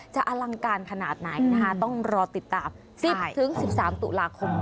อลังการขนาดไหนนะคะต้องรอติดตาม๑๐๑๓ตุลาคม